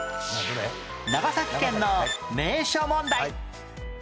長崎県の名所問題